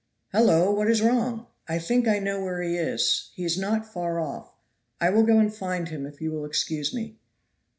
"Hallo! what is wrong!" "I think I know where he is; he is not far off. I will go and find him if you will excuse me."